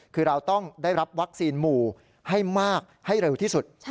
คือเราต้องได้รับวัคซีนหมู่ให้มากให้เร็วที่สุด